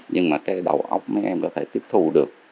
nhưng mà cái đầu óc mấy em có thể tiếp thu được